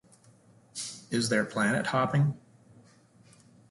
Is there planet hopping?